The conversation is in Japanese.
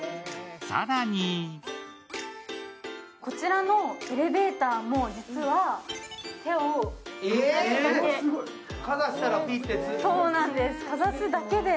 更にこちらのエレベーターも実は、手をかざすだけで